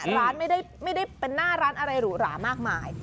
ร้านไม่ได้เป็นหน้าร้านอะไรหรูหรามากมาย